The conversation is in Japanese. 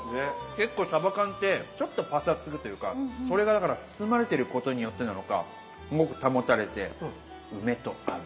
結構さば缶ってちょっとパサつくというかそれがだから包まれてることによってなのかすごく保たれて梅と合う。